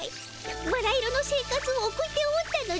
バラ色の生活を送っておったのじゃ。